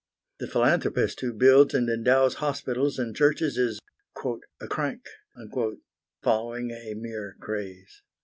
The philanthropist who builds and endows hospitals and churches is "a crank," following a mere craze.